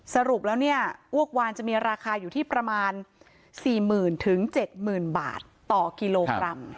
สรุปแล้วเนี่ยอ้วกวานจะมีราคาอยู่ที่ประมาณ๔๐๐๐๗๐๐บาทต่อกิโลกรัม